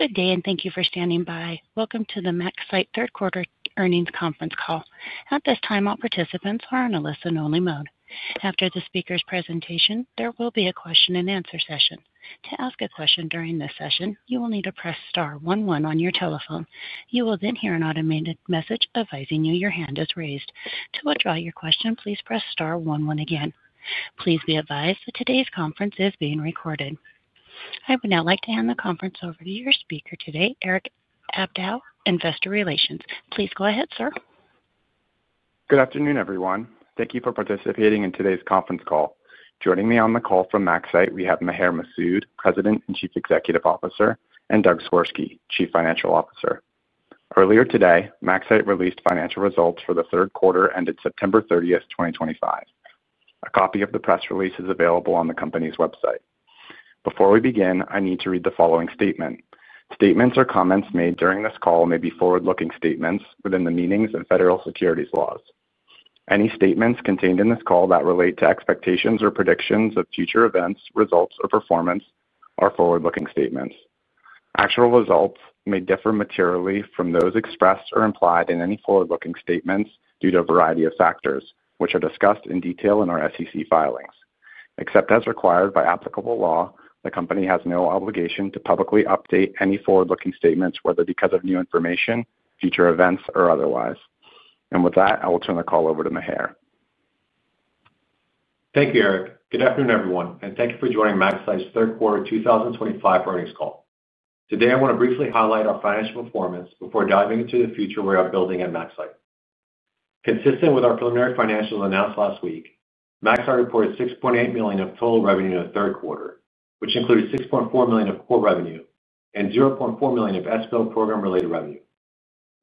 Good day, and thank you for standing by. Welcome to the MaxCyte third quarter earnings conference call. At this time, all participants are on a listen-only mode. After the speaker's presentation, there will be a question-and-answer session. To ask a question during this session, you will need to press star 11 on your telephone. You will then hear an automated message advising you your hand is raised. To withdraw your question, please press star 11 again. Please be advised that today's conference is being recorded. I would now like to hand the conference over to your speaker today, Eric Abdow, Investor Relations. Please go ahead, sir. Good afternoon, everyone. Thank you for participating in today's conference call. Joining me on the call from MaxCyte, we have Maher Masoud, President and Chief Executive Officer, and Doug Swersky, Chief Financial Officer. Earlier today, MaxCyte released financial results for the third quarter ended September 30, 2025. A copy of the press release is available on the company's website. Before we begin, I need to read the following statement. Statements or comments made during this call may be forward-looking statements within the meanings of Federal Securities Laws. Any statements contained in this call that relate to expectations or predictions of future events, results, or performance are forward-looking statements. Actual results may differ materially from those expressed or implied in any forward-looking statements due to a variety of factors, which are discussed in detail in our SEC Filings. Except as required by applicable law, the company has no obligation to publicly update any forward-looking statements, whether because of new information, future events, or otherwise. With that, I will turn the call over to Maher. Thank you, Eric. Good afternoon, everyone, and thank you for joining MaxCyte's third quarter 2025 earnings call. Today, I want to briefly highlight our financial performance before diving into the future we are building at MaxCyte. Consistent with our preliminary financials announced last week, MaxCyte reported $6.8 million of total revenue in the third quarter, which included $6.4 million of core revenue and $0.4 million of SPL program-related revenue.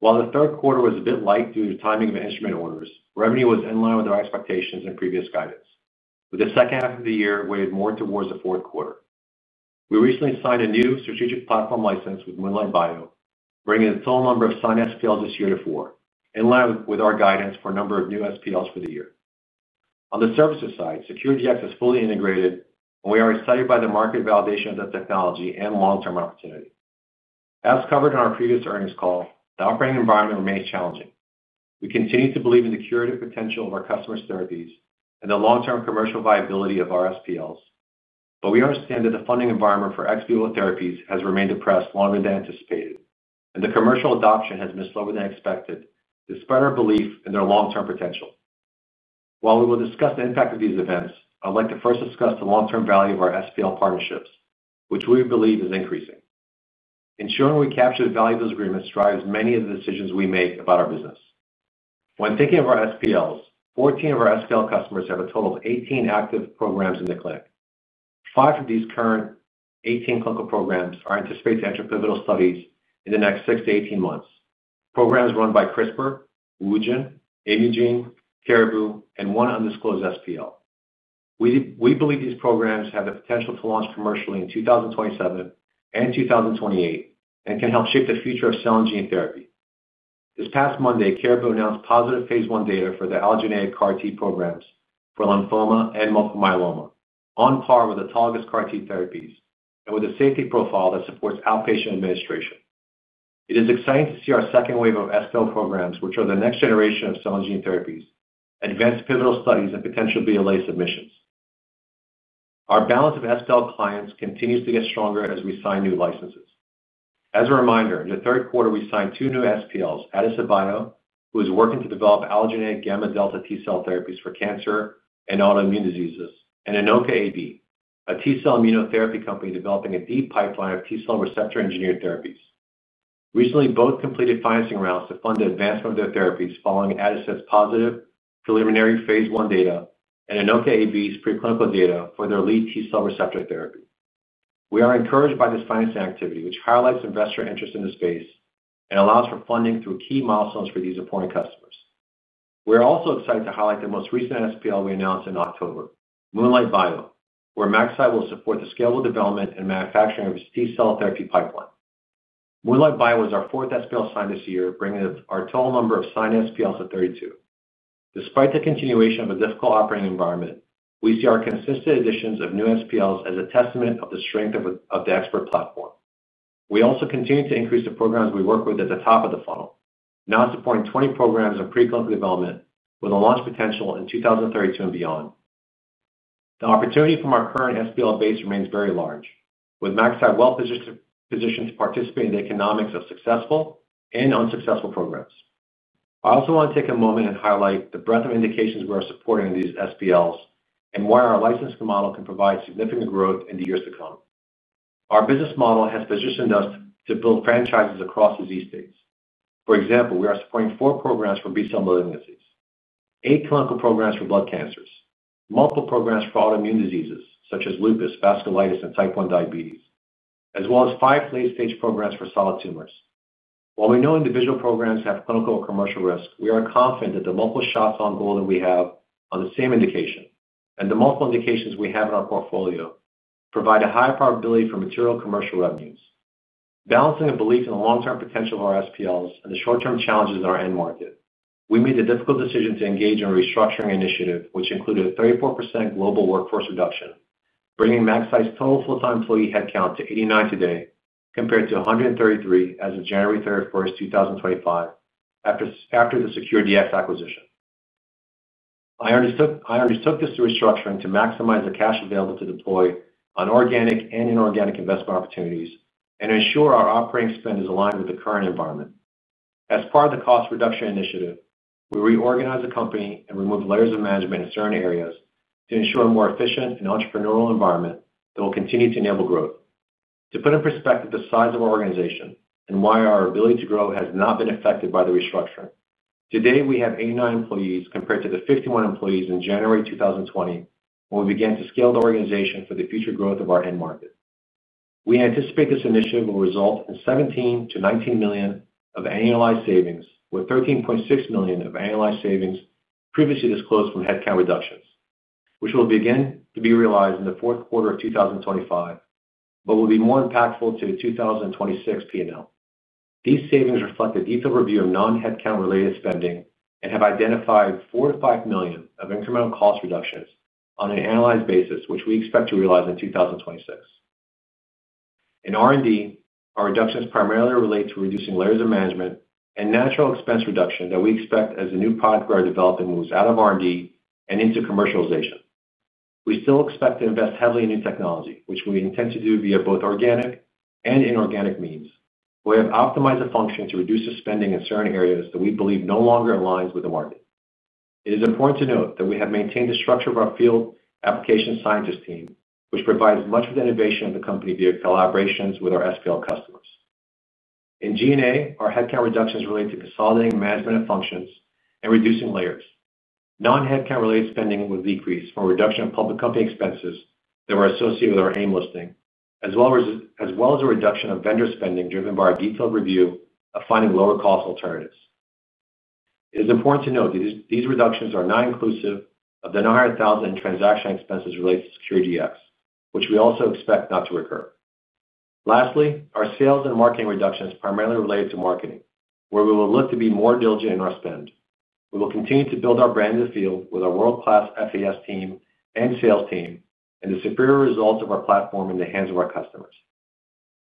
While the third quarter was a bit light due to timing of instrument orders, revenue was in line with our expectations and previous guidance, with the second half of the year weighing more towards the fourth quarter. We recently signed a new strategic platform license with Moonlight Bio, bringing the total number of signed SPLs this year to four, in line with our guidance for a number of new SPLs for the year. On the services side, SecureDX is fully integrated, and we are excited by the market validation of the technology and long-term opportunity. As covered in our previous earnings call, the operating environment remains challenging. We continue to believe in the curative potential of our customers' therapies and the long-term commercial viability of our SPLs, but we understand that the funding environment for ex vivo therapies has remained depressed longer than anticipated, and the commercial adoption has been slower than expected, despite our belief in their long-term potential. While we will discuss the impact of these events, I'd like to first discuss the long-term value of our SPL partnerships, which we believe is increasing. Ensuring we capture the value of those agreements drives many of the decisions we make about our business. When thinking of our SPLs, 14 of our SPL customers have a total of 18 active programs in the clinic. Five of these current 18 clinical programs are anticipated to enter pivotal studies in the next 6-18 months, programs run by CRISPR, WuXi, Immungen, Caribou, and one undisclosed SPL. We believe these programs have the potential to launch commercially in 2027 and 2028 and can help shape the future of cell and gene therapy. This past Monday, Caribou announced positive phase I data for the allogeneic CAR-T programs for lymphoma and multiple myeloma, on par with autologous CAR-T therapies and with a safety profile that supports outpatient administration. It is exciting to see our second wave of SPL programs, which are the next generation of cell and gene therapies, advance pivotal studies and potential BLA submissions. Our balance of SPL clients continues to get stronger as we sign new licenses. As a reminder, in the third quarter, we signed two new SPLs: Addison Bio, who is working to develop allogeneic gamma delta T cell therapies for cancer and autoimmune diseases, and Inoka AB, a T cell immunotherapy company developing a deep pipeline of T cell receptor engineered therapies. Recently, both completed financing rounds to fund the advancement of their therapies following Addison's positive preliminary phase one data and Inoka AB's preclinical data for their lead T-cell Receptor Therapy. We are encouraged by this financing activity, which highlights investor interest in the space and allows for funding through key milestones for these important customers. We are also excited to highlight the most recent SPL we announced in October, Moonlight Bio, where MaxCyte will support the scalable development and manufacturing of its T-cell Therapy Pipeline. Moonlight Bio is our fourth SPL signed this year, bringing our total number of signed SPLs to 32. Despite the continuation of a difficult operating environment, we see our consistent additions of new SPLs as a testament of the strength of the ExPERT platform. We also continue to increase the programs we work with at the top of the funnel, now supporting 20 programs of preclinical development with a launch potential in 2032 and beyond. The opportunity from our current SPL base remains very large, with MaxCyte well positioned to participate in the economics of successful and unsuccessful programs. I also want to take a moment and highlight the breadth of indications we are supporting in these SPLs and why our licensing model can provide significant growth in the years to come. Our business model has positioned us to build franchises across disease states. For example, we are supporting four programs for B-cell malignancies, eight clinical programs for blood cancers, multiple programs for autoimmune diseases such as lupus, vasculitis, and type 1 diabetes, as well as five late-stage programs for solid tumors. While we know individual programs have clinical or commercial risk, we are confident that the multiple shots on goal that we have on the same indication and the multiple indications we have in our portfolio provide a high probability for material commercial revenues. Balancing a belief in the long-term potential of our SPLs and the short-term challenges in our end market, we made the difficult decision to engage in a restructuring initiative, which included a 34% global workforce reduction, bringing MaxCyte's total full-time employee headcount to 89 today compared to 133 as of January 31, 2025, after the SecureDX acquisition. I undertook this restructuring to maximize the cash available to deploy on organic and inorganic investment opportunities and ensure our operating spend is aligned with the current environment. As part of the cost reduction initiative, we reorganized the company and removed layers of management in certain areas to ensure a more efficient and entrepreneurial environment that will continue to enable growth. To put in perspective the size of our organization and why our ability to grow has not been affected by the restructuring, today we have 89 employees compared to the 51 employees in January 2020 when we began to scale the organization for the future growth of our end market. We anticipate this initiative will result in $17 million-$19 million of annualized savings, with $13.6 million of annualized savings previously disclosed from headcount reductions, which will begin to be realized in the fourth quarter of 2025, but will be more impactful to the 2026 P&L. These savings reflect a detailed review of non-headcount-related spending and have identified $4 million-$5 million of incremental cost reductions on an annualized basis, which we expect to realize in 2026. In R&D, our reductions primarily relate to reducing layers of management and natural expense reduction that we expect as the new product we are developing moves out of R&D and into commercialization. We still expect to invest heavily in new technology, which we intend to do via both organic and inorganic means. We have optimized the function to reduce the spending in certain areas that we believe no longer aligns with the market. It is important to note that we have maintained the structure of our Field Application Scientist team, which provides much of the innovation of the company via collaborations with our SPL customers. In G&A, our headcount reductions relate to consolidating management of functions and reducing layers. Non-headcount-related spending will decrease from a reduction of public company expenses that were associated with our AIM listing, as well as a reduction of vendor spending driven by our detailed review of finding lower-cost alternatives. It is important to note that these reductions are not inclusive of the $900,000 in transaction expenses related to SecureDX, which we also expect not to recur. Lastly, our sales and marketing reductions primarily relate to marketing, where we will look to be more diligent in our spend. We will continue to build our brand in the field with our world-class FAS team and sales team and the superior results of our platform in the hands of our customers.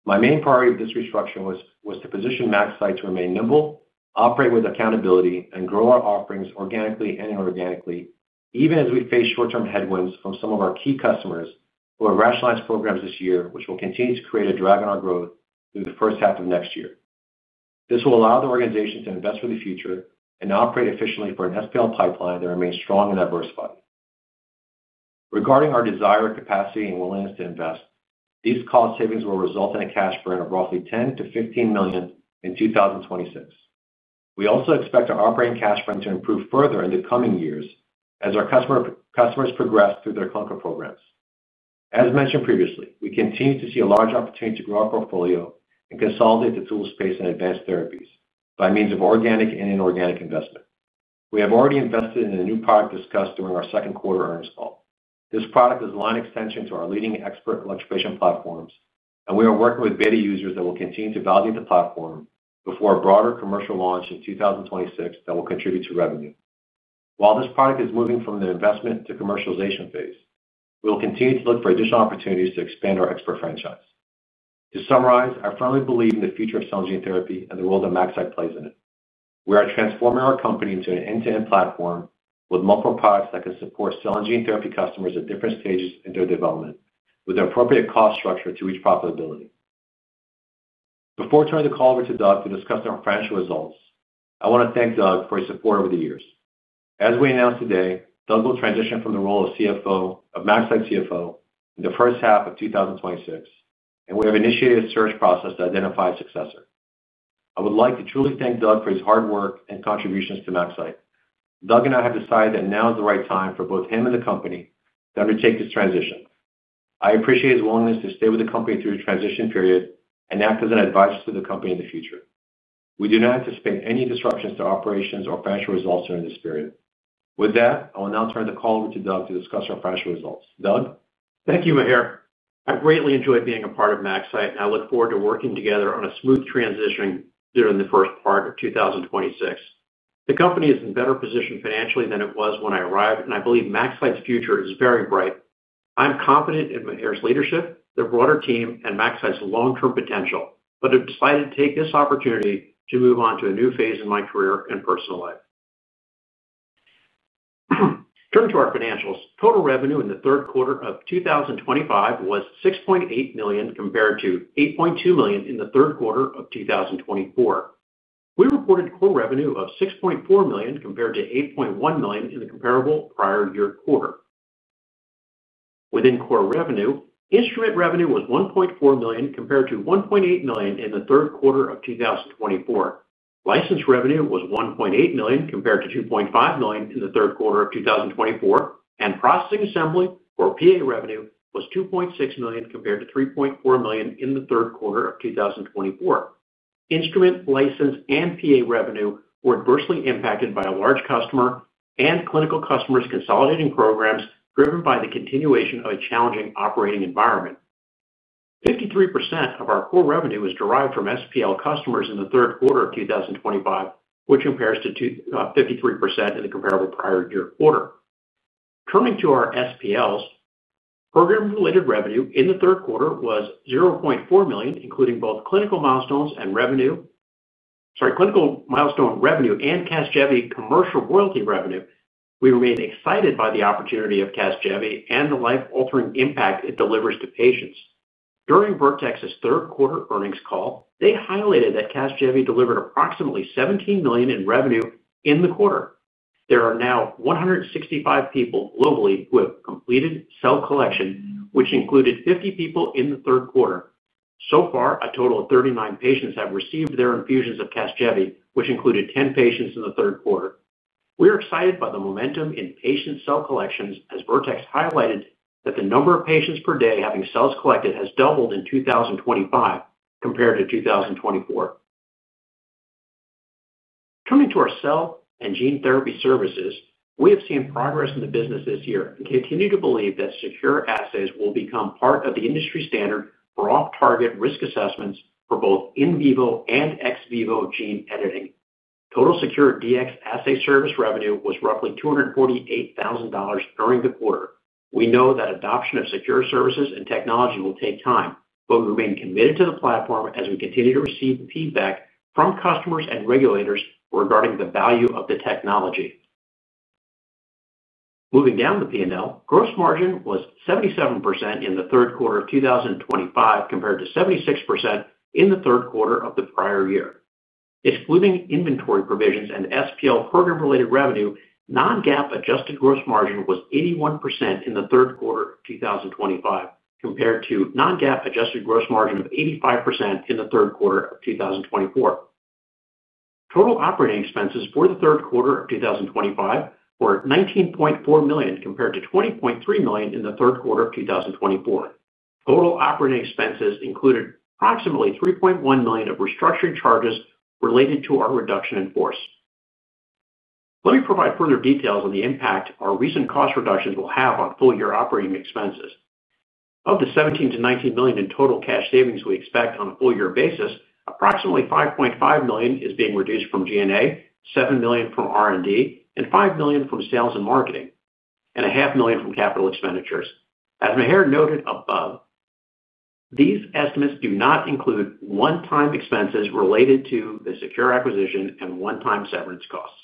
My main priority of this restructuring was to position MaxCyte to remain nimble, operate with accountability, and grow our offerings organically and inorganically, even as we face short-term headwinds from some of our key customers who have rationalized programs this year, which will continue to create a drag on our growth through the first half of next year. This will allow the organization to invest for the future and operate efficiently for an SPL pipeline that remains strong and diversified. Regarding our desire, capacity, and willingness to invest, these cost savings will result in a cash burn of roughly $10-15 million in 2026. We also expect our operating cash burn to improve further in the coming years as our customers progress through their clinical programs. As mentioned previously, we continue to see a large opportunity to grow our portfolio and consolidate the tool space in advanced therapies by means of organic and inorganic investment. We have already invested in a new product discussed during our second quarter earnings call. This product is a line extension to our leading ExPERT fluctuation platforms, and we are working with beta users that will continue to validate the platform before a broader commercial launch in 2026 that will contribute to revenue. While this product is moving from the investment to commercialization phase, we will continue to look for additional opportunities to expand our ExPERT franchise. To summarize, I firmly believe in the future of cell and gene therapy and the role that MaxCyte plays in it. We are transforming our company into an end-to-end platform with multiple products that can support cell and gene therapy customers at different stages in their development with the appropriate cost structure to reach profitability. Before turning the call over to Doug to discuss our financial results, I want to thank Doug for his support over the years. As we announced today, Doug will transition from the role of CFO of MaxCyte in the first half of 2026, and we have initiated a search process to identify a successor. I would like to truly thank Doug for his hard work and contributions to MaxCyte. Doug and I have decided that now is the right time for both him and the company to undertake this transition. I appreciate his willingness to stay with the company through the transition period and act as an advisor to the company in the future. We do not anticipate any disruptions to operations or financial results during this period. With that, I will now turn the call over to Doug to discuss our financial results. Doug? Thank you, Maher. I greatly enjoyed being a part of MaxCyte, and I look forward to working together on a smooth transition during the first part of 2026. The company is in better position financially than it was when I arrived, and I believe MaxCyte's future is very bright. I'm confident in Maher's leadership, the broader team, and MaxCyte's long-term potential, but have decided to take this opportunity to move on to a new phase in my career and personal life. Turning to our financials, total revenue in the third quarter of 2025 was $6.8 million compared to $8.2 million in the third quarter of 2024. We reported core revenue of $6.4 million compared to $8.1 million in the comparable prior year quarter. Within core revenue, instrument revenue was $1.4 million compared to $1.8 million in the third quarter of 2024. License revenue was $1.8 million compared to $2.5 million in the third quarter of 2024, and processing assembly or PA revenue was $2.6 million compared to $3.4 million in the third quarter of 2024. Instrument, license, and PA revenue were adversely impacted by a large customer and clinical customers' consolidating programs driven by the continuation of a challenging operating environment. 53% of our core revenue is derived from SPL customers in the third quarter of 2025, which compares to 53% in the comparable prior year quarter. Turning to our SPLs, program-related revenue in the third quarter was $0.4 million. Including both clinical milestone revenue and CASGEVY commercial royalty revenue, we remained excited by the opportunity of CASGEVY and the life-altering impact it delivers to patients. During Vertex's third quarter earnings call, they highlighted that CASGEVY delivered approximately $17 million in revenue in the quarter. There are now 165 people globally who have completed cell collection, which included 50 people in the third quarter. So far, a total of 39 patients have received their infusions of CASGEVY, which included 10 patients in the third quarter. We are excited by the momentum in patient cell collections as Vertex highlighted that the number of patients per day having cells collected has doubled in 2025 compared to 2024. Turning to our cell and gene therapy services, we have seen progress in the business this year and continue to believe that SecureDX assays will become part of the industry standard for off-target risk assessments for both in vivo and ex vivo gene editing. Total SecureDX assay service revenue was roughly $248,000 during the quarter. We know that adoption of SecureDX services and technology will take time, but we remain committed to the platform as we continue to receive feedback from customers and regulators regarding the value of the technology. Moving down the P&L, gross margin was 77% in the third quarter of 2025 compared to 76% in the third quarter of the prior year. Excluding inventory provisions and SPL program-related revenue, non-GAAP adjusted gross margin was 81% in the third quarter of 2025 compared to non-GAAP adjusted gross margin of 85% in the third quarter of 2024. Total operating expenses for the third quarter of 2025 were $19.4 million compared to $20.3 million in the third quarter of 2024. Total operating expenses included approximately $3.1 million of restructuring charges related to our reduction in force. Let me provide further details on the impact our recent cost reductions will have on full-year operating expenses. Of the $17 million-$19 million in total cash savings we expect on a full-year basis, approximately $5.5 million is being reduced from G&A, $7 million from R&D, and $5 million from sales and marketing, and $500,000 from capital expenditures. As Maher noted above, these estimates do not include one-time expenses related to the SecureDX acquisition and one-time severance costs.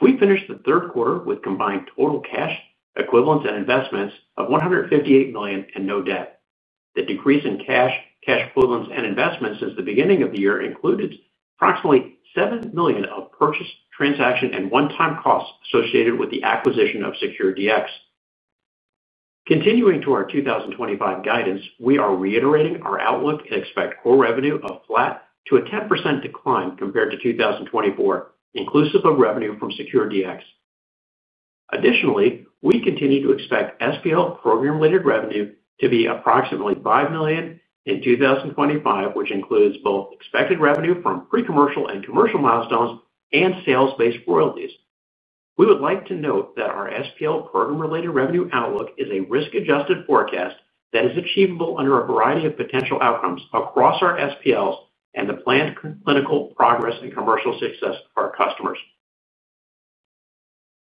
We finished the third quarter with combined total cash equivalents and investments of $158 million and no debt. The decrease in cash, cash equivalents, and investments since the beginning of the year included approximately $7 million of purchase transactions and one-time costs associated with the acquisition of SecureDX. Continuing to our 2025 guidance, we are reiterating our outlook and expect core revenue of flat to a 10% decline compared to 2024, inclusive of revenue from SecureDX. Additionally, we continue to expect SPL program-related revenue to be approximately $5 million in 2025, which includes both expected revenue from pre-commercial and commercial milestones and sales-based royalties. We would like to note that our SPL program-related revenue outlook is a risk-adjusted forecast that is achievable under a variety of potential outcomes across our SPLs and the planned clinical progress and commercial success of our customers.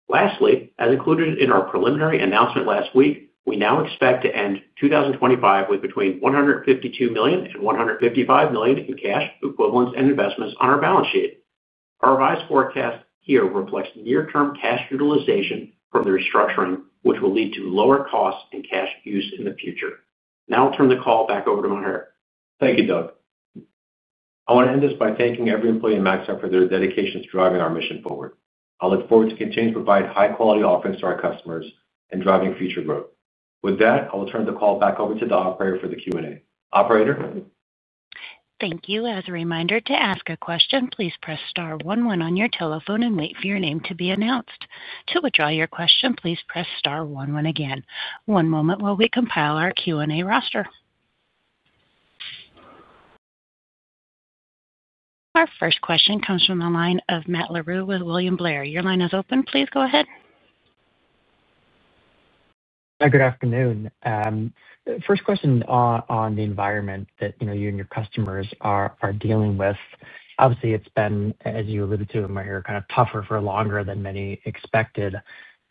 Lastly, as included in our preliminary announcement last week, we now expect to end 2025 with between $152 million and $155 million in cash equivalents and investments on our balance sheet. Our revised forecast here reflects near-term cash utilization from the restructuring, which will lead to lower costs and cash use in the future. Now I'll turn the call back over to Maher. Thank you, Doug. I want to end this by thanking every employee at MaxCyte for their dedication to driving our mission forward. I'll look forward to continuing to provide high-quality offerings to our customers and driving future growth. With that, I will turn the call back over to the operator for the Q&A. Operator. Thank you. As a reminder, to ask a question, please press star 11 on your telephone and wait for your name to be announced. To withdraw your question, please press star 11 again. One moment while we compile our Q&A roster. Our first question comes from the line of Matt Larew with William Blair. Your line is open. Please go ahead. Good afternoon. First question on the environment that you and your customers are dealing with. Obviously, it's been, as you alluded to, Maher, kind of tougher for longer than many expected.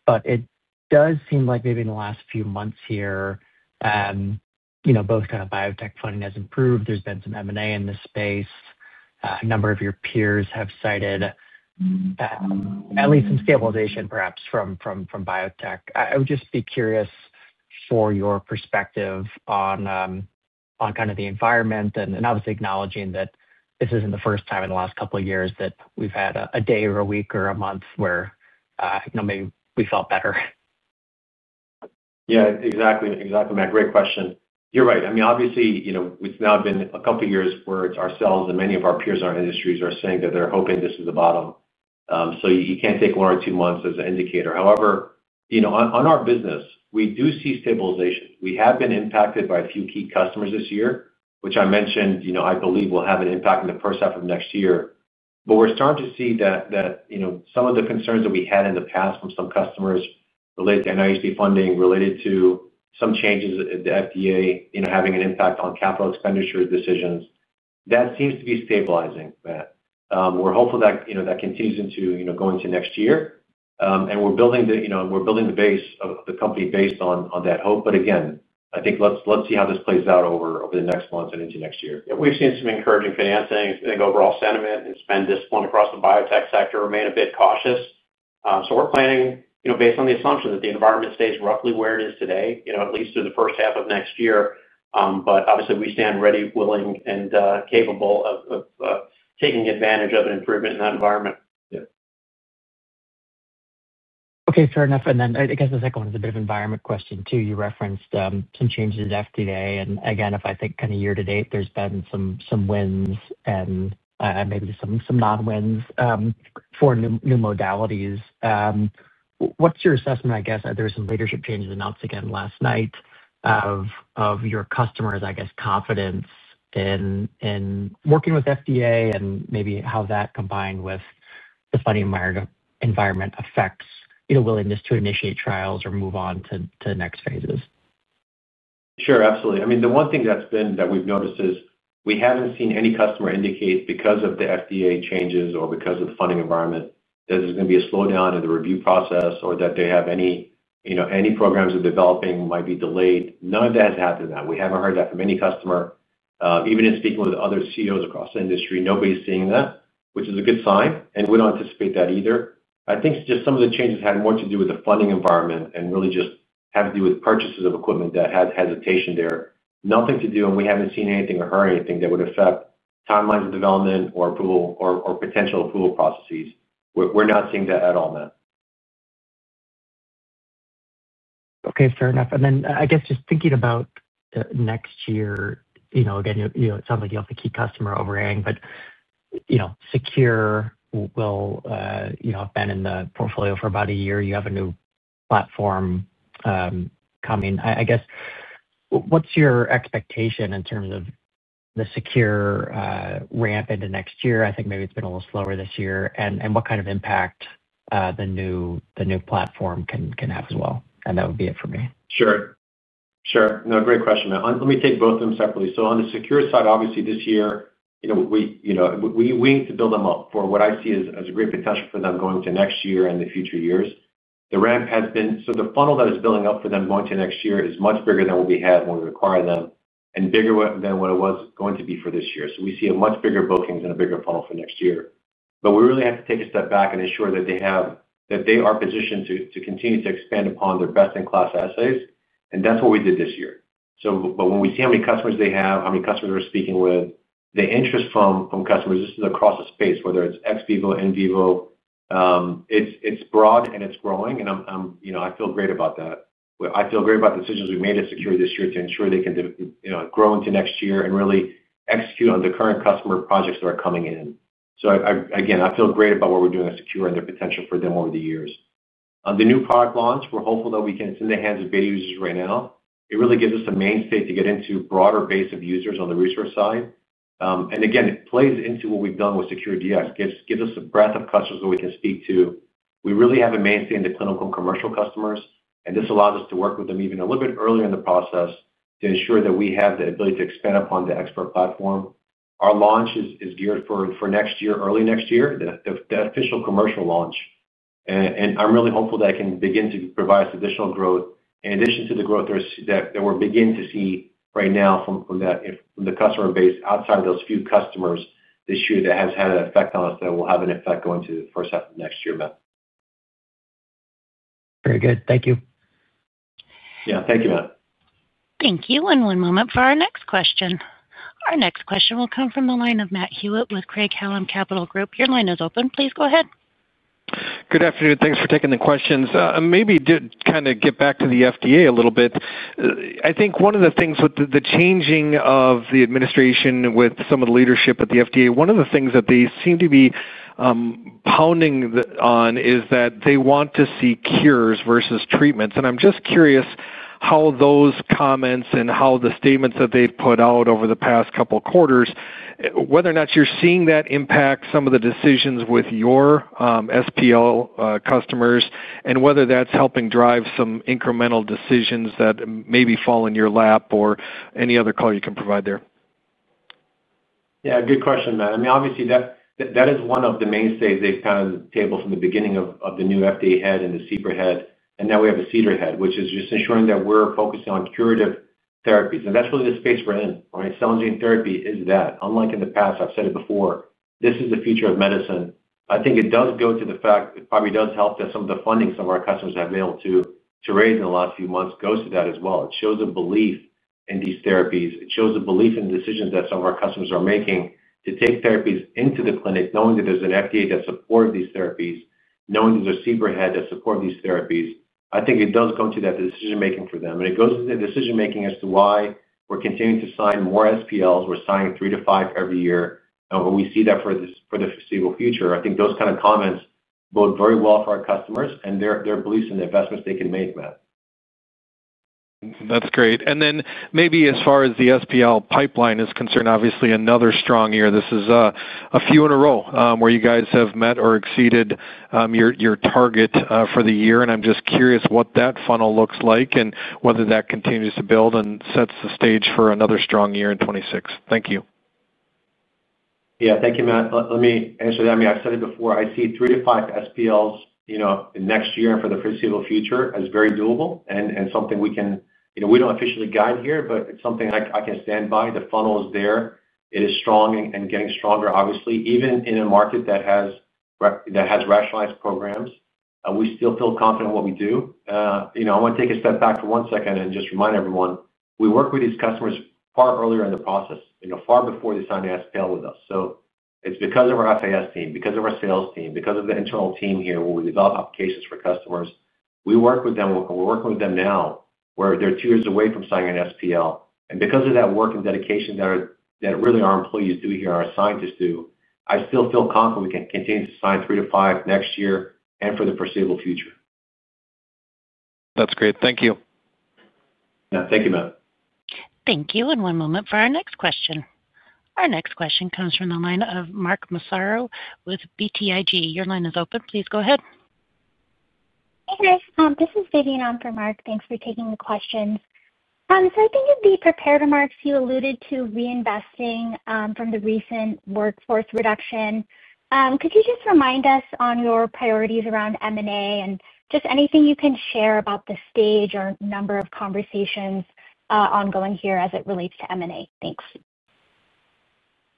It does seem like maybe in the last few months here, both kind of biotech funding has improved. There's been some M&A in this space. A number of your peers have cited at least some stabilization, perhaps, from biotech. I would just be curious for your perspective on kind of the environment and obviously acknowledging that this isn't the first time in the last couple of years that we've had a day or a week or a month where maybe we felt better. Yeah, exactly, exactly, Matt. Great question. You're right. I mean, obviously, it's now been a couple of years where it's ourselves and many of our peers in our industries are saying that they're hoping this is the bottom. You can't take one or two months as an indicator. However, on our business, we do see stabilization. We have been impacted by a few key customers this year, which I mentioned I believe will have an impact in the first half of next year. We're starting to see that some of the concerns that we had in the past from some customers related to NIH funding, related to some changes at the FDA, having an impact on capital expenditure decisions, that seems to be stabilizing, Matt. We're hopeful that continues going into next year. We're building the base of the company based on that hope. I think let's see how this plays out over the next months and into next year. Yeah, we've seen some encouraging financing. I think overall sentiment and spend discipline across the biotech sector remain a bit cautious. We are planning based on the assumption that the environment stays roughly where it is today, at least through the first half of next year. Obviously, we stand ready, willing, and capable of taking advantage of an improvement in that environment. Yeah. Okay, fair enough. I guess the second one is a bit of an environment question too. You referenced some changes at FDA. Again, if I think kind of year to date, there's been some wins and maybe some non-wins for new modalities. What's your assessment, I guess, there's some leadership changes announced again last night of your customers, I guess, confidence in working with FDA? Maybe how that combined with the funding environment affects willingness to initiate trials or move on to next phases? Sure, absolutely. I mean, the one thing that we've noticed is we haven't seen any customer indicate because of the FDA changes or because of the funding environment that there's going to be a slowdown in the review process or that they have any programs they're developing might be delayed. None of that has happened to them. We haven't heard that from any customer. Even in speaking with other CEOs across the industry, nobody's seeing that, which is a good sign. We don't anticipate that either. I think just some of the changes had more to do with the funding environment and really just have to do with purchases of equipment that had hesitation there. Nothing to do, and we haven't seen anything or heard anything that would affect timelines of development or potential approval processes. We're not seeing that at all, Matt. Okay, fair enough. I guess just thinking about next year, again, it sounds like you have a key customer overhanging, but SecureDX will have been in the portfolio for about a year. You have a new platform coming. I guess what's your expectation in terms of the SecureDX ramp into next year? I think maybe it's been a little slower this year. What kind of impact the new platform can have as well? That would be it for me. Sure. No, great question, Matt. Let me take both of them separately. On the SecureDX side, obviously, this year, we need to build them up for what I see as a great potential for them going to next year and the future years. The ramp has been, so the funnel that is building up for them going to next year is much bigger than what we had when we acquired them and bigger than what it was going to be for this year. We see a much bigger booking and a bigger funnel for next year. We really have to take a step back and ensure that they are positioned to continue to expand upon their best-in-class assays. That is what we did this year. When we see how many customers they have, how many customers we're speaking with, the interest from customers, this is across the space, whether it's ex vivo, in vivo, it's broad and it's growing. I feel great about that. I feel great about the decisions we've made at SecureDX this year to ensure they can grow into next year and really execute on the current customer projects that are coming in. Again, I feel great about what we're doing at SecureDX and the potential for them over the years. On the new product launch, we're hopeful that we can send the hands of beta users right now. It really gives us a mainstay to get into a broader base of users on the research side. Again, it plays into what we've done with SecureDX, gives us a breadth of customers that we can speak to. We really have a mainstay in the clinical and commercial customers. This allows us to work with them even a little bit earlier in the process to ensure that we have the ability to expand upon the ExPERT platform. Our launch is geared for next year, early next year, the official commercial launch. I'm really hopeful that it can begin to provide us additional growth in addition to the growth that we're beginning to see right now from the customer base outside of those few customers this year that has had an effect on us that will have an effect going to the first half of next year, Matt. Very good. Thank you. Yeah, thank you, Matt. Thank you. One moment for our next question. Our next question will come from the line of Matt Hewitt with Craig-Hallum Capital Group. Your line is open. Please go ahead. Good afternoon. Thanks for taking the questions. Maybe to kind of get back to the FDA a little bit. I think one of the things with the changing of the administration with some of the leadership at the FDA, one of the things that they seem to be pounding on is that they want to see cures versus treatments. I'm just curious how those comments and how the statements that they've put out over the past couple of quarters, whether or not you're seeing that impact some of the decisions with your SPL customers and whether that's helping drive some incremental decisions that maybe fall in your lap or any other call you can provide there. Yeah, good question, Matt. I mean, obviously, that is one of the mainstays they've kind of tabled from the beginning of the new FDA head and the CPR head. Now we have a CDER head, which is just ensuring that we're focusing on curative therapies. That's really the space we're in, right? Cell and gene therapy is that. Unlike in the past, I've said it before, this is the future of medicine. I think it does go to the fact it probably does help that some of the funding some of our customers have been able to raise in the last few months goes to that as well. It shows a belief in these therapies. It shows a belief in the decisions that some of our customers are making to take therapies into the clinic, knowing that there's an FDA that supports these therapies, knowing that there's a CPR head that supports these therapies. I think it does go into that decision-making for them. It goes into the decision-making as to why we're continuing to sign more SPLs. We're signing three to five every year. We see that for the foreseeable future. I think those kind of comments bode very well for our customers and their beliefs and investments they can make, Matt. That's great. Maybe as far as the SPL pipeline is concerned, obviously, another strong year. This is a few in a row where you guys have met or exceeded your target for the year. I'm just curious what that funnel looks like and whether that continues to build and sets the stage for another strong year in 2026. Thank you. Yeah, thank you, Matt. Let me answer that. I mean, I've said it before. I see three to five SPLs next year and for the foreseeable future as very doable and something we can we don't officially guide here, but it's something I can stand by. The funnel is there. It is strong and getting stronger, obviously, even in a market that has rationalized programs. We still feel confident in what we do. I want to take a step back for one second and just remind everyone. We work with these customers far earlier in the process, far before they sign an SPL with us. It is because of our FAS team, because of our sales team, because of the internal team here where we develop applications for customers. We work with them. We're working with them now where they're two years away from signing an SPL. Because of that work and dedication that really our employees do here and our scientists do, I still feel confident we can continue to sign three to five next year and for the foreseeable future. That's great. Thank you. Yeah, thank you, Matt. Thank you. One moment for our next question. Our next question comes from the line of Mark Massaro with BTIG. Your line is open. Please go ahead. Hey guys. This is Viviane on for Mark. Thanks for taking the question. I think in the prepared remarks, you alluded to reinvesting from the recent workforce reduction. Could you just remind us on your priorities around M&A and just anything you can share about the stage or number of conversations ongoing here as it relates to M&A? Thanks.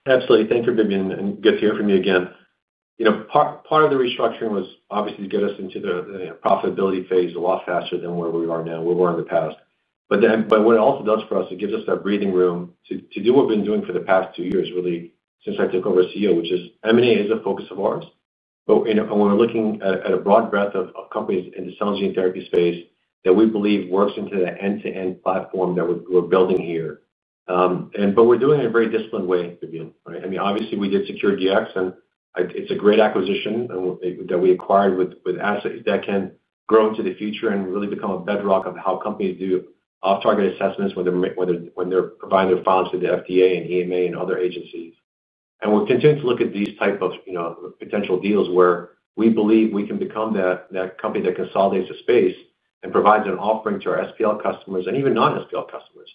Absolutely. Thank you, Viviane. Good to hear from you again. Part of the restructuring was obviously to get us into the profitability phase a lot faster than where we are now, where we were in the past. What it also does for us, it gives us that breathing room to do what we've been doing for the past two years, really, since I took over as CEO, which is M&A is a focus of ours. When we're looking at a broad breadth of companies in the cell and gene therapy space that we believe works into the end-to-end platform that we're building here. We're doing it in a very disciplined way, Viviane, right? I mean, obviously, we did SecureDX, and it's a great acquisition that we acquired with assets that can grow into the future and really become a bedrock of how companies do off-target assessments when they're providing their funds to the FDA and EMA and other agencies. We're continuing to look at these types of potential deals where we believe we can become that company that consolidates the space and provides an offering to our SPL customers and even non-SPL customers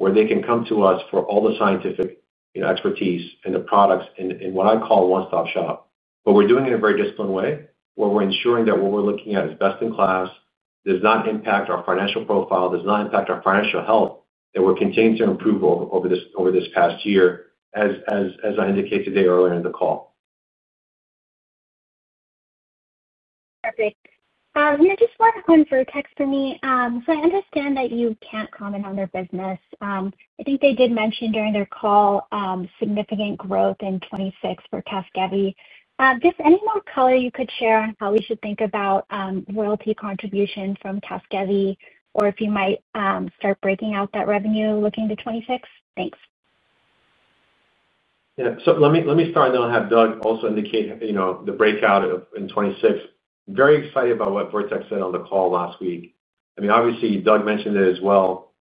where they can come to us for all the scientific expertise and the products in what I call a one-stop shop. We're doing it in a very disciplined way where we're ensuring that what we're looking at is best in class, does not impact our financial profile, does not impact our financial health, that we're continuing to improve over this past year, as I indicated today earlier in the call. Perfect. Yeah, just one quick text for me. So I understand that you can't comment on their business. I think they did mention during their call significant growth in 2026 for CASGEVY. Just any more color you could share on how we should think about royalty contributions from CASGEVY or if you might start breaking out that revenue looking to 2026? Thanks. Yeah. Let me start and then I'll have Doug also indicate the breakout in 2026. Very excited about what Vertex said on the call last week. I mean, obviously, Doug mentioned it as well.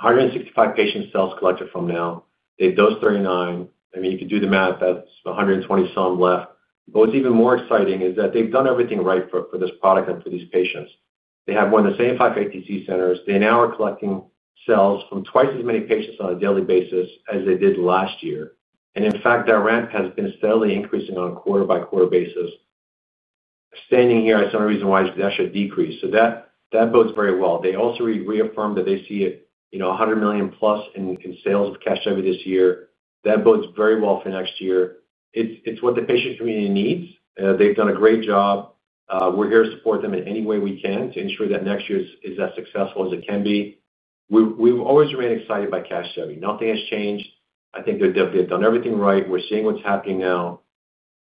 165 patient cells collected from now. They've dosed 39. I mean, you could do the math. That's 120 some left. What's even more exciting is that they've done everything right for this product and for these patients. They have more than 75 ATC centers. They now are collecting cells from twice as many patients on a daily basis as they did last year. In fact, that ramp has been steadily increasing on a quarter-by-quarter basis. Standing here, I saw a reason why that should decrease. That bodes very well. They also reaffirmed that they see $100 million plus in sales of CASGEVY this year. That bodes very well for next year. It's what the patient community needs. They've done a great job. We're here to support them in any way we can to ensure that next year is as successful as it can be. We've always remained excited by CASGEVY. Nothing has changed. I think they've done everything right. We're seeing what's happening now.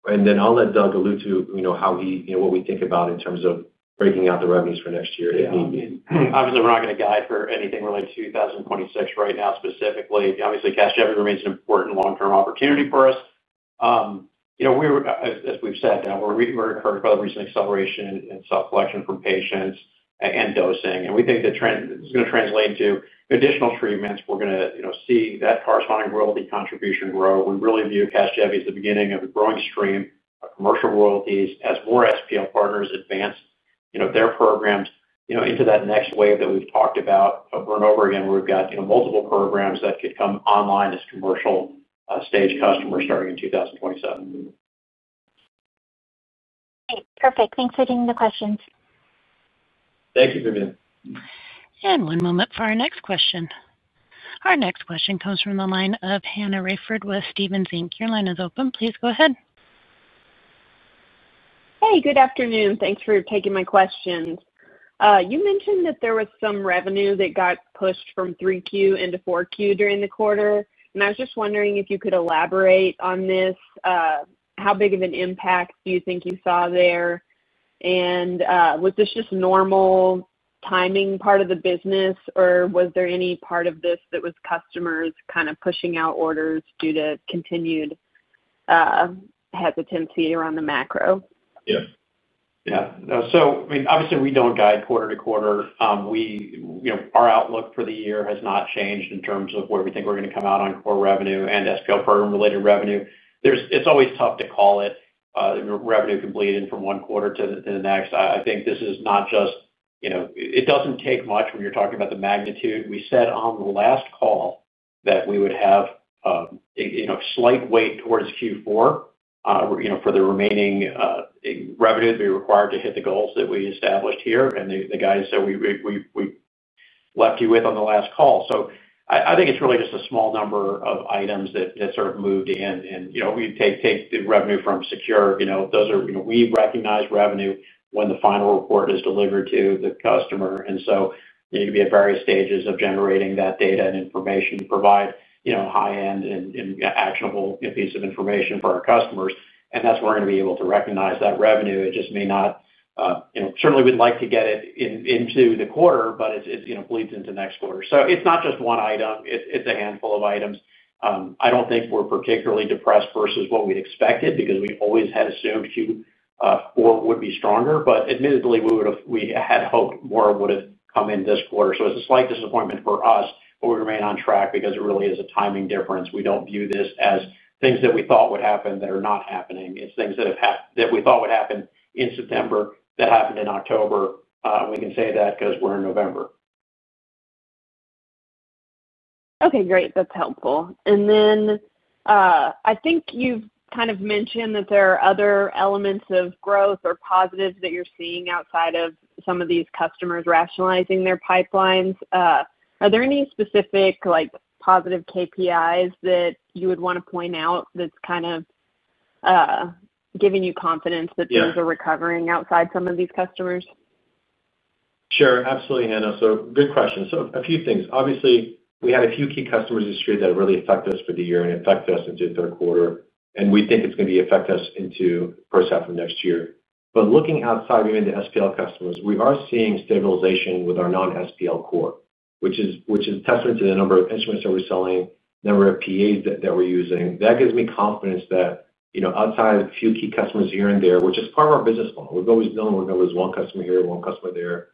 I'll let Doug allude to how he, what we think about in terms of breaking out the revenues for next year if need be. Obviously, we're not going to guide for anything related to 2026 right now specifically. Obviously, CASGEVY remains an important long-term opportunity for us. As we've said, we're encouraged by the recent acceleration in self-collection from patients and dosing. We think this is going to translate into additional treatments. We're going to see that corresponding royalty contribution grow. We really view CASGEVY as the beginning of a growing stream of commercial royalties as more SPL partners advance their programs into that next wave that we've talked about of burn over again where we've got multiple programs that could come online as commercial-stage customers starting in 2027. Okay. Perfect. Thanks for taking the questions. Thank you, Viviane. One moment for our next question. Our next question comes from the line of Hannah Rayford with Stephens. Your line is open. Please go ahead. Hey, good afternoon. Thanks for taking my questions. You mentioned that there was some revenue that got pushed from 3Q into 4Q during the quarter. I was just wondering if you could elaborate on this. How big of an impact do you think you saw there? Was this just normal timing part of the business, or was there any part of this that was customers kind of pushing out orders due to continued hesitancy around the macro? Yeah. Yeah. I mean, obviously, we do not guide quarter to quarter. Our outlook for the year has not changed in terms of where we think we are going to come out on core revenue and SPL program-related revenue. It is always tough to call it revenue completed from one quarter to the next. I think this is not just it does not take much when you are talking about the magnitude. We said on the last call that we would have slight weight towards Q4 for the remaining revenue that we required to hit the goals that we established here, and the guidance that we left you with on the last call. I think it is really just a small number of items that sort of moved in. We take the revenue from SecureDX. We recognize revenue when the final report is delivered to the customer. You can be at various stages of generating that data and information to provide high-end and actionable pieces of information for our customers. That is where we are going to be able to recognize that revenue. It just may not, certainly, we would like to get it into the quarter, but it bleeds into next quarter. It is not just one item. It is a handful of items. I do not think we are particularly depressed versus what we expected because we always had assumed Q4 would be stronger. Admittedly, we had hoped more would have come in this quarter. It is a slight disappointment for us, but we remain on track because it really is a timing difference. We do not view this as things that we thought would happen that are not happening. It is things that we thought would happen in September that happened in October. We can say that because we're in November. Okay. Great. That's helpful. I think you've kind of mentioned that there are other elements of growth or positives that you're seeing outside of some of these customers rationalizing their pipelines. Are there any specific positive KPIs that you would want to point out that's kind of giving you confidence that things are recovering outside some of these customers? Sure. Absolutely, Hannah. Good question. A few things. Obviously, we had a few key customers this year that really affect us for the year and affect us into the third quarter. We think it's going to affect us into the first half of next year. Looking outside of even the SPL customers, we are seeing stabilization with our non-SPL core, which is a testament to the number of instruments that we're selling, the number of PAs that we're using. That gives me confidence that outside of a few key customers here and there, which is part of our business model. We've always known we're going to lose one customer here, one customer there.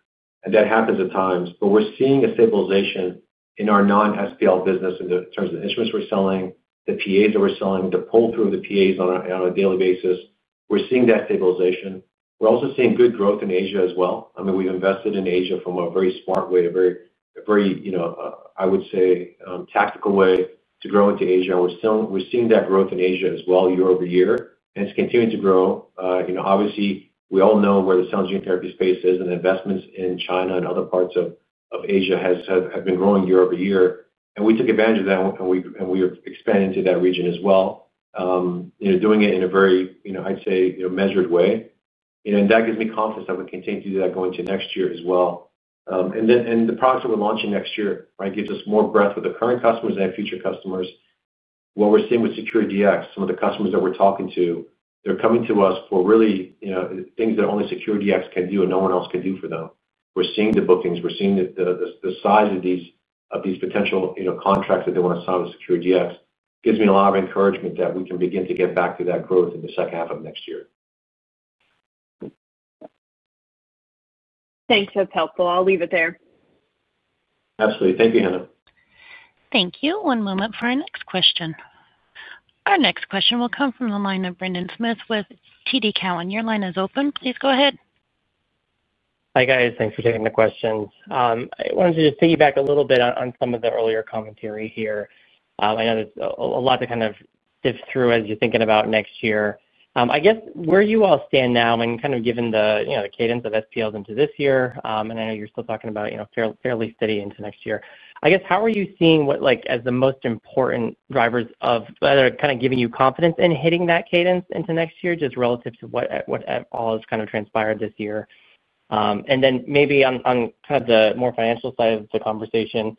That happens at times. We're seeing a stabilization in our non-SPL business in terms of the instruments we're selling, the PAs that we're selling, the pull-through of the PAs on a daily basis. We're seeing that stabilization. We're also seeing good growth in Asia as well. I mean, we've invested in Asia from a very smart way, a very, I would say, tactical way to grow into Asia. We're seeing that growth in Asia as well year over year. It's continuing to grow. Obviously, we all know where the cell and gene therapy space is, and the investments in China and other parts of Asia have been growing year over year. We took advantage of that, and we are expanding to that region as well, doing it in a very, I'd say, measured way. That gives me confidence that we'll continue to do that going into next year as well. The products that we're launching next year give us more breadth with the current customers and future customers. What we're seeing with SecureDX, some of the customers that we're talking to, they're coming to us for really things that only SecureDX can do and no one else can do for them. We're seeing the bookings. We're seeing the size of these potential contracts that they want to sign with SecureDX. It gives me a lot of encouragement that we can begin to get back to that growth in the second half of next year. Thanks. That's helpful. I'll leave it there. Absolutely. Thank you, Hannah. Thank you. One moment for our next question. Our next question will come from the line of Brendan Smith with TD Cowen. Your line is open. Please go ahead. Hi guys. Thanks for taking the questions. I wanted to just piggyback a little bit on some of the earlier commentary here. I know there's a lot to kind of sift through as you're thinking about next year. I guess where you all stand now and kind of given the cadence of SPLs into this year, and I know you're still talking about fairly steady into next year. I guess how are you seeing what as the most important drivers of kind of giving you confidence in hitting that cadence into next year, just relative to what at all has kind of transpired this year? Maybe on kind of the more financial side of the conversation,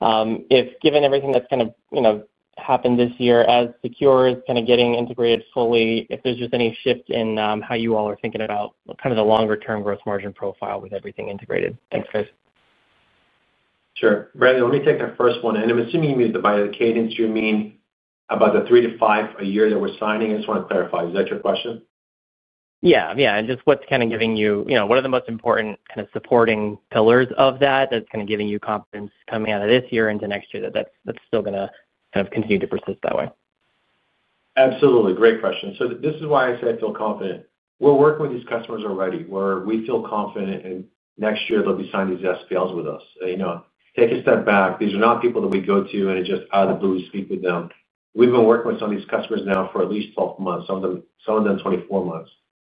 given everything that's kind of happened this year as SecureDX is kind of getting integrated fully, if there's just any shift in how you all are thinking about kind of the longer-term growth margin profile with everything integrated? Thanks, guys. Sure. Brendan, let me take the first one. I'm assuming you mean the cadence you mean about the three to five a year that we're signing. I just want to clarify. Is that your question? Yeah. Yeah. Just what's kind of giving you, what are the most important kind of supporting pillars of that, that's kind of giving you confidence coming out of this year into next year, that that's still going to kind of continue to persist that way? Absolutely. Great question. This is why I said I feel confident. We're working with these customers already where we feel confident in next year they'll be signing these SPLs with us. Take a step back. These are not people that we go to and just out of the blue speak with them. We've been working with some of these customers now for at least 12 months, some of them 24 months.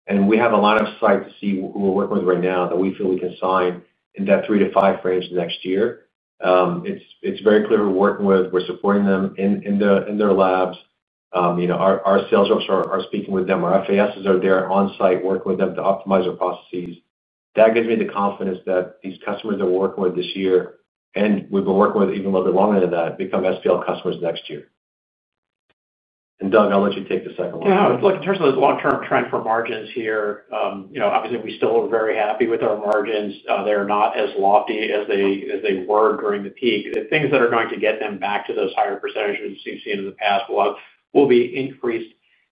We have a line of sight to see who we're working with right now that we feel we can sign in that three to five frames next year. It's very clear who we're working with. We're supporting them in their labs. Our sales reps are speaking with them. Our FASs are there on-site working with them to optimize our processes. That gives me the confidence that these customers that we're working with this year and we've been working with even a little bit longer than that become SPL customers next year. Doug, I'll let you take the second one. Yeah. Look, in terms of the long-term trend for margins here, obviously, we still are very happy with our margins. They're not as lofty as they were during the peak. Things that are going to get them back to those higher percentages we've seen in the past will be increased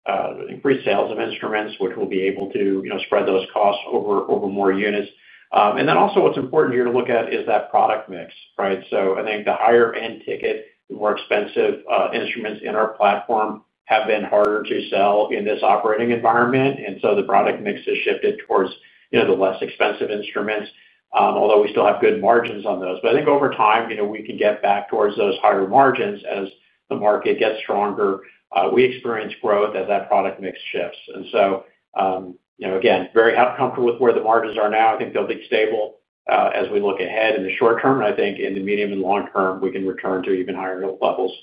sales of instruments, which will be able to spread those costs over more units. Also, what's important here to look at is that product mix, right? I think the higher-end ticket, the more expensive instruments in our platform have been harder to sell in this operating environment. The product mix has shifted towards the less expensive instruments, although we still have good margins on those. I think over time, we can get back towards those higher margins as the market gets stronger. We experience growth as that product mix shifts. Again, very comfortable with where the margins are now. I think they'll be stable as we look ahead in the short term. I think in the medium and long term, we can return to even higher levels.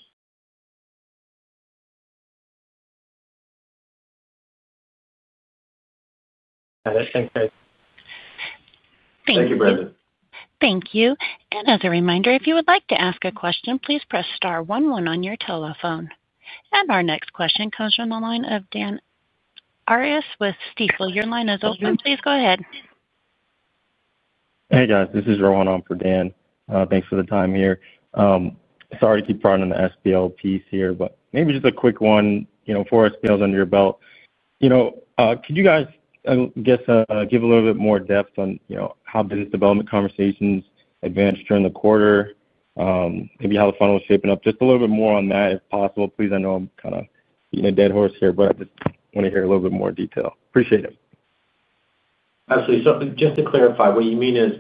That's good. Thank you. Thank you, Brendan. Thank you. As a reminder, if you would like to ask a question, please press star 11 on your telephone. Our next question comes from the line of Dan Arias with Stephens. Your line is open. Please go ahead. Hey, guys. This is Rowan on for Dan. Thanks for the time here. Sorry to keep running the SPL piece here, but maybe just a quick one. Four SPLs under your belt. Could you guys give a little bit more depth on how business development conversations advanced during the quarter? Maybe how the funnel was shaping up. Just a little bit more on that, if possible. Please, I know I'm kind of being a dead horse here, but I just want to hear a little bit more detail. Appreciate it. Absolutely. Just to clarify, what you mean is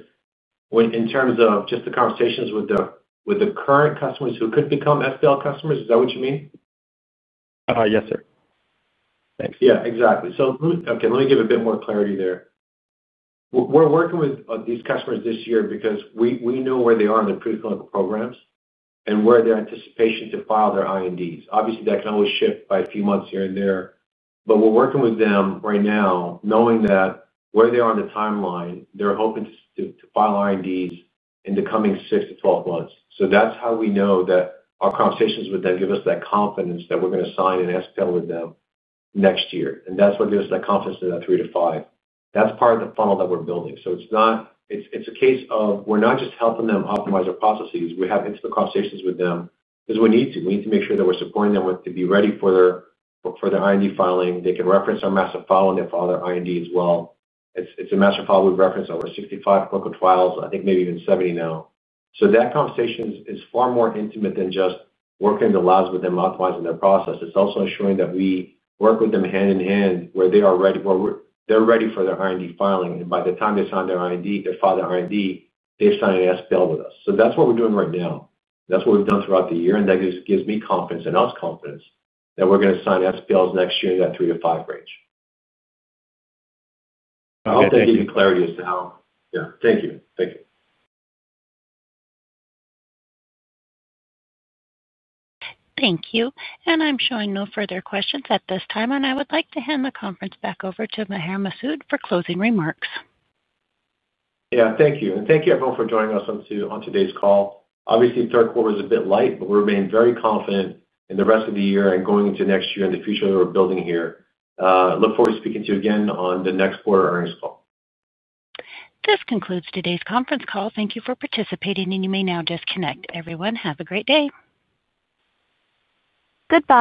in terms of just the conversations with the current customers who could become SPL customers, is that what you mean? Yes, sir. Thanks. Yeah, exactly. Let me give a bit more clarity there. We're working with these customers this year because we know where they are on their pre-clinical programs and where their anticipation to file their INDs is. Obviously, that can always shift by a few months here and there. We're working with them right now, knowing that where they are on the timeline, they're hoping to file INDs in the coming 6-12 months. That's how we know that our conversations with them give us that confidence that we're going to sign an SPL with them next year. That's what gives us that confidence in that three to five. That's part of the funnel that we're building. It's a case of we're not just helping them optimize our processes. We have intimate conversations with them because we need to. We need to make sure that we're supporting them to be ready for their IND filing. They can reference our master file when they file their IND as well. It's a master file we reference. We're 65 clinical trials. I think maybe even 70 now. That conversation is far more intimate than just working in the labs with them optimizing their process. It's also ensuring that we work with them hand in hand where they're ready for their IND filing. By the time they sign their IND, they file their IND, they've signed an SPL with us. That's what we're doing right now. That's what we've done throughout the year. That gives me confidence and us confidence that we're going to sign SPLs next year in that three to five range. I hope that gives you clarity as to how. Yeah. Thank you. Thank you. Thank you. I am showing no further questions at this time. I would like to hand the conference back over to Maher Masoud for closing remarks. Yeah. Thank you. Thank you everyone for joining us on today's call. Obviously, third quarter is a bit light, but we're being very confident in the rest of the year and going into next year and the future that we're building here. Look forward to speaking to you again on the next quarter earnings call. This concludes today's conference call. Thank you for participating, and you may now disconnect. Everyone, have a great day. Goodbye.